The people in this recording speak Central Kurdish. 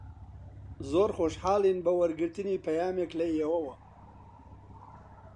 زۆر خۆشحاڵین بە وەرگرتنی پەیامێک لە ئێوەوە.